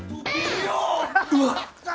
うわっ！